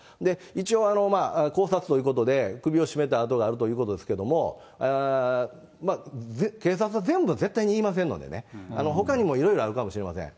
一応、絞殺ということで、首を絞めた痕があるということですけれども、警察は全部、絶対に言いませんのでね、ほかにもいろいろあるかもしれません。